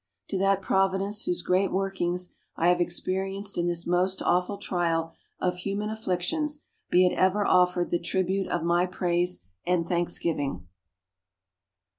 To that Providence, whose great workings I have experienced in this most awful trial of human afflictions, be ever offered the tribute of my praise and thanksgiving.